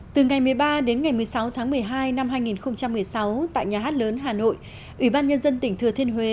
từ ngày một mươi ba đến ngày một mươi sáu tháng một mươi hai năm hai nghìn một mươi sáu tại nhà hát lớn hà nội ủy ban nhân dân tỉnh thừa thiên huế